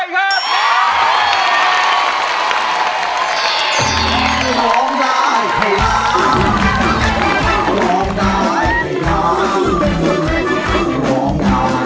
กุมกุมกุม